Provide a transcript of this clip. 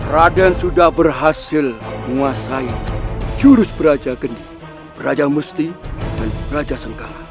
raden sudah berhasil menguasai jurus praja gendi praja musti dan praja sengkala